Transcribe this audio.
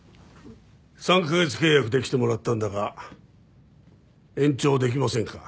３カ月契約で来てもらったんだが延長できませんか？